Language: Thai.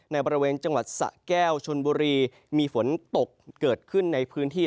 ในบริเวณจังหวัดสะแก้วชนบุรีมีฝนตกเกิดขึ้นในพื้นที่